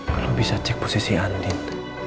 kau bisa cek posisi andin